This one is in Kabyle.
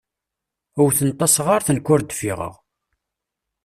Wwten tasɣart, nekk ur d-ffiɣeɣ.